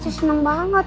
njus pasti senang banget